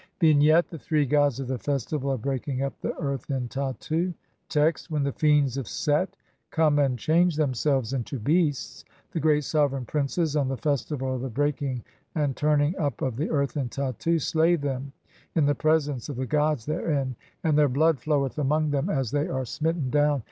H. Vignette : The three gods of the festival of breaking up the earth in Tattu. Text : (1) When the fiends of Set come and change them selves into beasts, the great sovereign princes, on the festival of the breaking and turning up of the earth in Tattu, (2) slay them in the presence of the gods therein, and their blood floweth among them as they are smitten down.